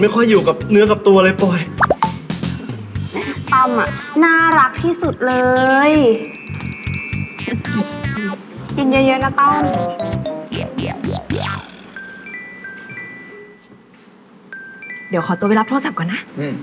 เดี๋ยวขอตัวไปรับโทรศัพท์ก่อนนะ